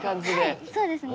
はいそうですね。